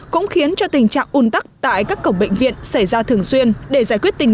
cũng khiến cho tình trạng un tắc tại các cổng bệnh viện xảy ra thường xuyên để giải quyết tình